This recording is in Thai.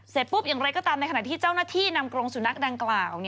เสร็จปุ๊บอย่างไรก็ตามในขณะที่เจ้าหน้าที่นำกรงสุนัขดังกล่าว